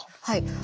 はい。